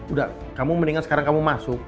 udah kamu mendingan sekarang kamu masuk